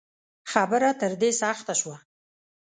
خبره تر دې سخته شوه